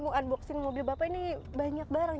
mau unboxing mobil bapak ini banyak barang